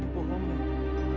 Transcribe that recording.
tidak ini saya berotak